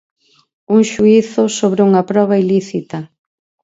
Un xuízo sobre unha proba ilícita.